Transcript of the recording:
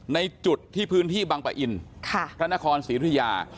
ในจุดที่พื้นที่บังปะอิ่นท่านนครศิริยา